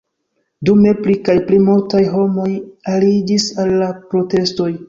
Dume pli kaj pli multaj homoj aliĝis al la protestoj.